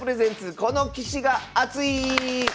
この棋士がアツい」。